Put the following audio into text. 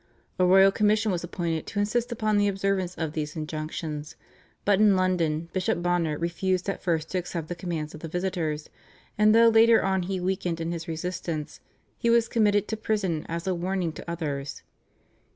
A royal commission was appointed to insist upon the observance of these Injunctions, but in London Bishop Bonner refused at first to accept the commands of the visitors, and though later on he weakened in his resistance, he was committed to prison as a warning to others.